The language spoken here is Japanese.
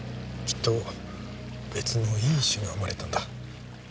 きっと別のいい詩が生まれたんだ。